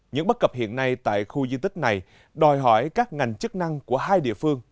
những bất cập hiện nay tại khu di tích này đòi hỏi các ngành chức năng của hai địa phương